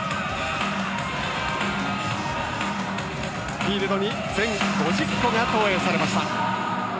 フィールドに全５０個が投影されました。